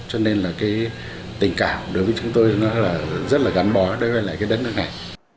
cho nên là cái tình cảm đối với chúng tôi nó là rất là gắn bó đối với lại cái đất nước này